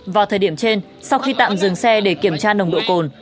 vào thời điểm trên sau khi tạm dừng xe để kiểm tra nồng độ cồn